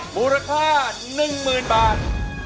บุรษภาษณ์๑๐๐๐๐บาท